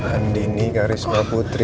andini karisma putri